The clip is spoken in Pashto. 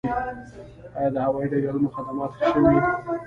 آیا د هوایي ډګرونو خدمات ښه شوي؟